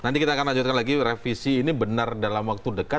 nanti kita akan lanjutkan lagi revisi ini benar dalam waktu dekat